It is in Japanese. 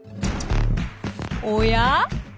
おや？